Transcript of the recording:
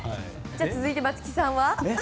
続いて松木さんは？